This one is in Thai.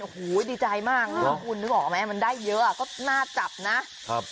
โอ้โหดีใจมากนะคุณนึกออกไหมมันได้เยอะอ่ะก็น่าจับนะครับ